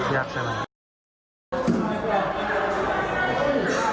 เครียดเลย